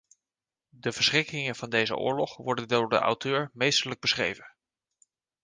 De verschrikkingen van deze oorlog worden door de auteur meesterlijk beschreven.